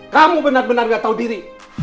kamu benar benar gak tahu diri